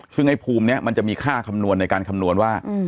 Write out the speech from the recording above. ซึ่งไอ้ภูมินี้มันจะมีค่าคำนวณในการคำนวณว่า